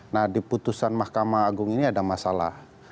nah di putusan mahkamah agung ini ada masalah